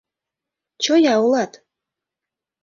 Чоя улат!..